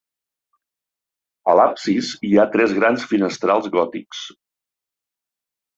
A l'absis hi ha tres grans finestrals gòtics.